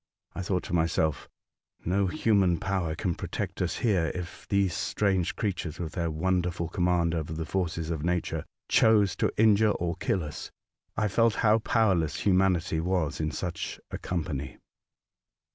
I thought to myself, '' No human power could protect us here if these strange creatures, with their wonderful command over the forces of nature, chose to injure or kill us." I felt how powerless humanity was in such a company.